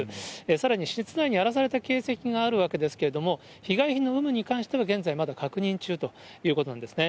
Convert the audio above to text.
さらに室内に荒らされた形跡があるわけですけれども、被害品の有無については現在まだ確認中ということなんですね。